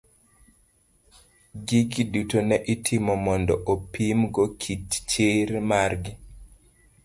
Gigi duto ne itomo mondo opim go kit chir mar gi.